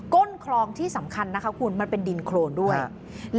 ้นคลองที่สำคัญนะคะคุณมันเป็นดินโครนด้วย